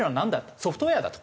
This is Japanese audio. ソフトウェアだと。